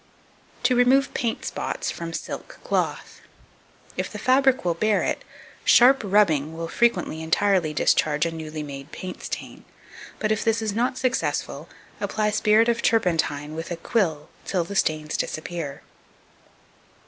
To remove Paint spots from Silk Cloth. 2276. If the fabric will bear it, sharp rubbing will frequently entirely discharge a newly made paint stain; but, if this is not successful, apply spirit of turpentine with a quill till the stains disappear.